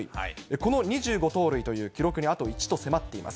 この２５盗塁という記録にあと１と迫っています。